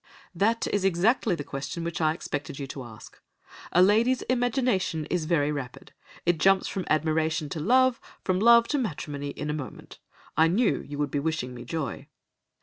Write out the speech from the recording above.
"'That is exactly the question which I expected you to ask. A lady's imagination is very rapid; it jumps from admiration to love, from love to matrimony in a moment. I knew you would be wishing me joy.